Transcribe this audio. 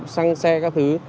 sang xe các thứ